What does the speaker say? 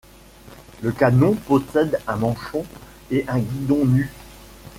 Le canon possède un manchon et un guidon nu.